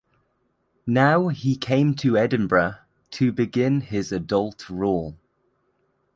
Now he came to Edinburgh to begin his adult rule.